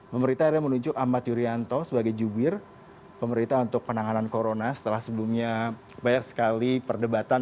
pemerintah akhirnya menunjuk ahmad yuryanto sebagai jubir pemerintah untuk penanganan corona setelah sebelumnya banyak sekali perdebatan